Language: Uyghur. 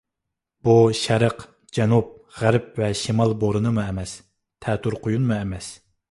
بۇ شەرق، جەنۇب، غەرب ۋە شىمال بورىنىمۇ ئەمەس، تەتۈر قۇيۇنمۇ ئەمەس.